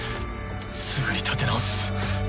すぐに立て直す。